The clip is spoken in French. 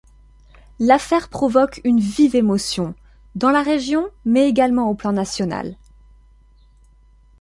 L'affaire provoque une vive émotion, dans la région mais également au plan national.